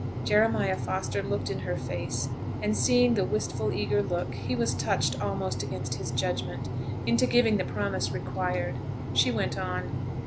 Jeremiah Foster looked in her face, and seeing the wistful, eager look, he was touched almost against his judgment into giving the promise required; she went on.